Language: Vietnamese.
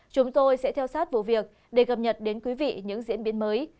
chúng tôi sẽ theo sát vụ việc để cập nhật đến quý vị những diễn biến mới